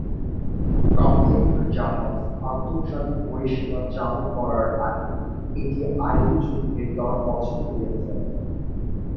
Container জাহাজ আন্তর্জাতিক পরিষেবা চালুর করার আগে এটি আইনি যুদ্ধের দশ বছর নিয়েছে।